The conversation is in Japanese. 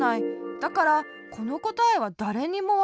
だからこのこたえはだれにもわからない。